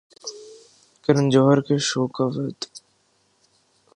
کرن جوہر کے show Koffee with